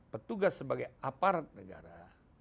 bertugas sebagai aparat negara